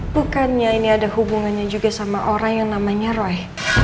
bukannya ini ada hubungannya juga sama orang yang namanya roy